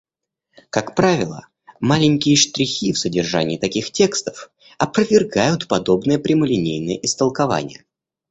Как правило, маленькие штрихи в содержании таких текстов опровергают подобное прямолинейное истолкование.